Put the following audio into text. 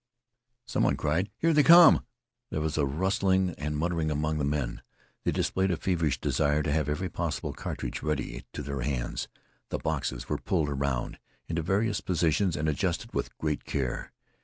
Some one cried, "Here they come!" There was rustling and muttering among the men. They displayed a feverish desire to have every possible cartridge ready to their hands. The boxes were pulled around into various positions, and adjusted with great care.